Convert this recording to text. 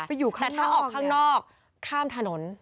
แต่ถ้าออกข้างนอกข้ามถนน